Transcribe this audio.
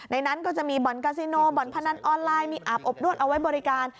ในนั้นก็จะมีบ่อนกาซิโนบ่อนพนันออนไลน์มีอาบอบนวดเอาไว้บริการ